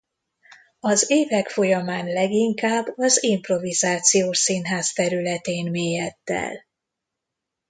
Az évek folyamán leginkább az improvizációs színház területén mélyedt el.